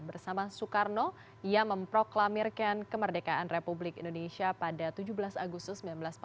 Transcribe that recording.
bersama soekarno ia memproklamirkan kemerdekaan republik indonesia pada tujuh belas agustus seribu sembilan ratus empat puluh lima